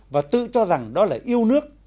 và tự cho rằng đó là yêu nước